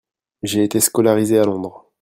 J'ai été scolarisé à Londres.